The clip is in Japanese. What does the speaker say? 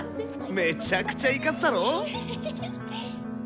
めちゃくちゃイカすだろ？